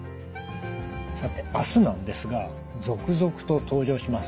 さて明日なんですが続々と登場します